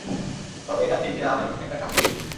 তবে এটা ঠিক যে আবেগ একটা কাজ করবেই।